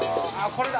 これだ